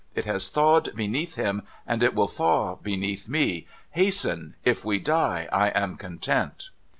It has thawed beneath him, and it will thaw beneath me. Hasten. If we die, I am content.'